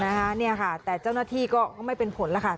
เนี่ยค่ะแต่เจ้าหน้าที่ก็ไม่เป็นผลแล้วค่ะ